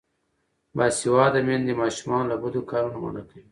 باسواده میندې ماشومان له بدو کارونو منع کوي.